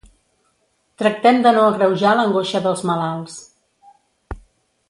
Tractem de no agreujar l’angoixa dels malalts.